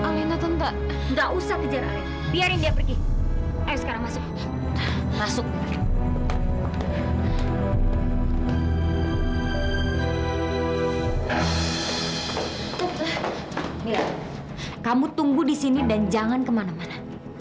mila kamu tunggu di sini dan jangan kemana mana